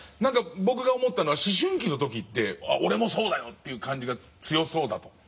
僕が思ったのは思春期の時って「俺もそうだよ」という感じが強そうだと。